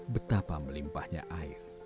betapa melimpahnya air